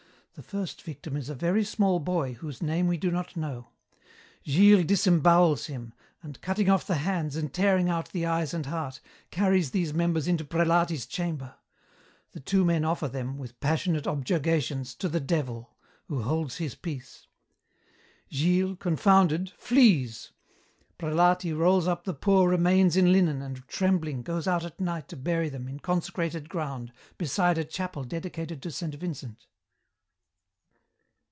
The first victim is a very small boy whose name we do not know. Gilles disembowels him, and, cutting off the hands and tearing out the eyes and heart, carries these members into Prelati's chamber. The two men offer them, with passionate objurgations, to the Devil, who holds his peace. Gilles, confounded, flees. Prelati rolls up the poor remains in linen and, trembling, goes out at night to bury them in consecrated ground beside a chapel dedicated to Saint Vincent.